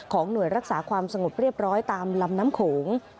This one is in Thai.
หน่วยรักษาความสงบเรียบร้อยตามลำน้ำโขง